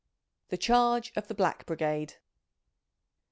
The Charge of the Black Brigade.